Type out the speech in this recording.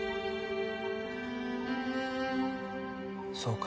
そうか。